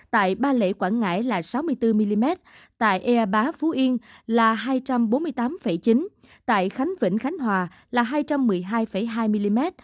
tại ba lễ quảng ngãi là sáu mươi bốn mm tại ea bá phú yên là hai trăm bốn mươi tám chín tại khánh vĩnh khánh hòa là hai trăm một mươi hai hai mm